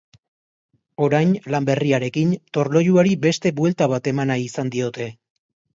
Orain, lan berriarekin, torlojuari beste buelta bat eman nahi izan diote.